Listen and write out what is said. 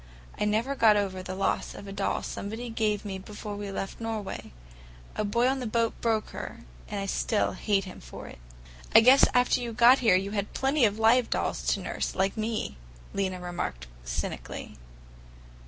I never got over the loss of a doll somebody gave me before we left Norway. A boy on the boat broke her, and I still hate him for it." "I guess after you got here you had plenty of live dolls to nurse, like me!" Lena remarked cynically.